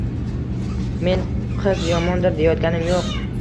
Men qiz yomondir deyotganim yo`q